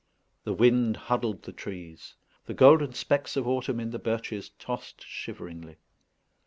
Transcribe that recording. The wind huddled the trees. The golden specks of autumn in the birches tossed shiveringly.